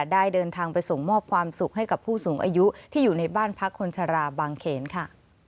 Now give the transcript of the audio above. ได้เดินทางไปส่งมอบความสุขให้กับผู้สูงอายุที่อยู่ในบ้านพักคนชราบางเขนค่ะ